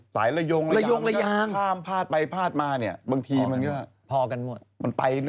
สายระยงระยางข้ามพาดไปพาดมาบางทีมันก็พอกันหมดมันไปกันหมด